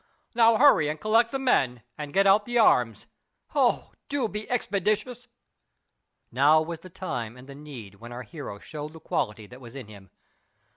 Now hurry and collect the men and get out the arms. Oh, do be expeditious!" Now was the time and the need when our hero showed the quality that was in him.